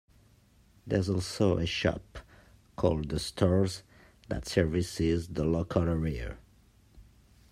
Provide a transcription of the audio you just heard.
There's also a shop called the stores that services the local area.